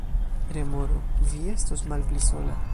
Remoro: "Vi estos malpli sola."